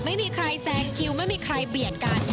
ไม่มีใครแซงคิวไม่มีใครเบี่ยงกัน